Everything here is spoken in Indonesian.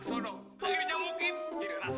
sono akhirnya mungkin dirasak